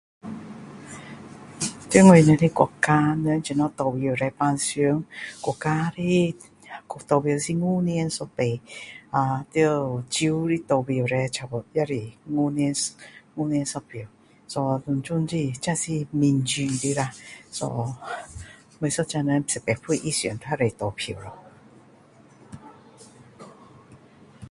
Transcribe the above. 在我们的国家平常是五年一次还有州的投票差不多也是五年一次 so 全部都是年次的 so 每一个人21岁以上都可以投票